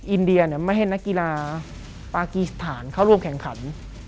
อินเดียไม่ให้นักกีฬาปากีสถานเข้าร่วมแข่งขัน